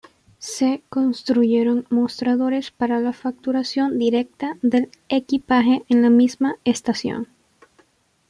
Se construyeron mostradores para la facturación directa del equipaje en la misma estación.